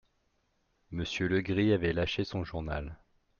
Monsieur Legris avait lâché son journal.